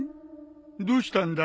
どうしたんだい？